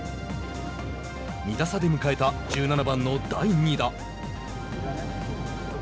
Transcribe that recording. ２打差で迎えた１７番の第２打。